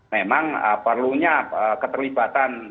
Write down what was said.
memang perlunya keterlibatan